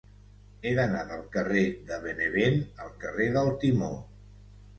He d'anar del carrer de Benevent al carrer del Timó.